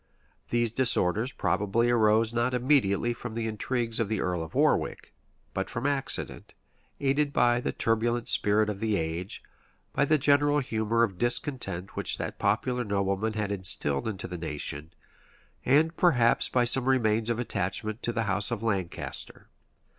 These disorders probably arose not immediately from the intrigues of the earl of Warwick, but from accident, aided by the turbulent spirit of the age, by the general humor of discontent which that popular nobleman had instilled into the nation, and perhaps by some remains of attachment to the house of Lancaster.